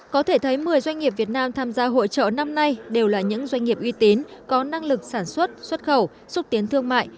có thể thấy một mươi doanh nghiệp việt nam tham gia hội trợ năm nay đều là những doanh nghiệp uy tín có năng lực sản xuất xuất khẩu xúc tiến thương mại